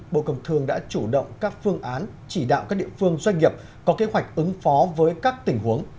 bộ công thương đã chủ động các phương án chỉ đạo các địa phương doanh nghiệp có kế hoạch ứng phó với các tình huống